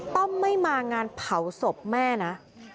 ต้องไม่มางานเผาศพแม่นะ